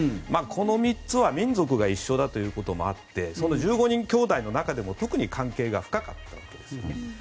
この３つは民族が一緒だということもあってその１５人きょうだいの中でも特に関係が深かったわけですよね。